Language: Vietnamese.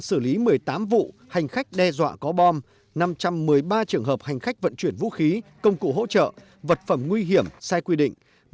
xử lý một mươi tám vụ hành khách đe dọa có bom năm trăm một mươi ba trường hợp hành khách vận chuyển vũ khí công cụ hỗ trợ vật phẩm nguy hiểm sai quy định